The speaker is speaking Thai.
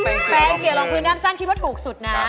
แปงเกี่ยวดวงพื้นดอดสันคิดว่าถูกสุดนะ